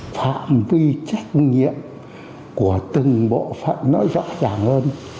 phạm vi trách nhiệm của từng bộ phận nó rõ ràng hơn